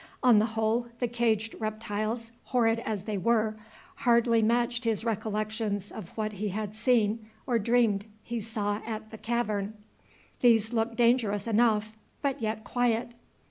On the whole, the caged reptiles, horrid as they were, hardly matched his recollections of what he had seen or dreamed he save at the cavern. These looked dangerous enough, but yet quiet.